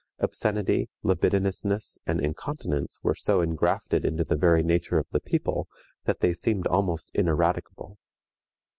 Obscenity, libidinousness, and incontinence were so ingrafted into the very nature of the people that they seemed almost ineradicable.